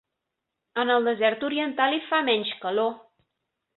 En el desert oriental, hi fa menys calor.